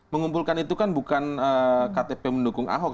mengumpulkan itu kan bukan ktp mendukung ahok